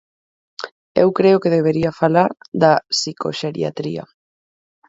Eu creo que debería falar da psicoxeriatría.